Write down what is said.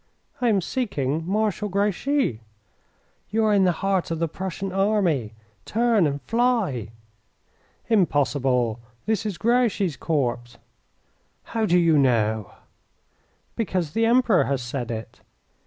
"I am seeking Marshal Grouchy." "You are in the heart of the Prussian army. Turn and fly!" "Impossible; this is Grouchy's corps." "How do you know?" "Because the Emperor has said it."